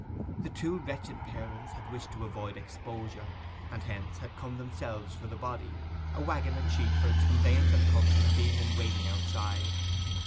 The two wretched parents had wished to avoid exposure; and hence had come themselves for the body, a waggon and sheet for its conveyance and covering being in waiting outside.